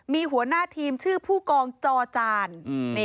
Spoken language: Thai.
มีหัวหน้าทีมชื่อผู้กองจอจาน